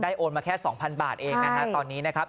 ได้โอนมาแค่๒๐๐๐บาทเองนะครับตอนนี้นะครับ